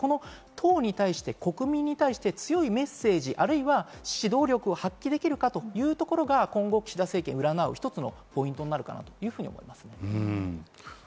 党に対して国民に対して強いメッセージ、あるいは指導力を発揮できるかってところが今後、岸田政権を占う一つのポイントになるかと思います。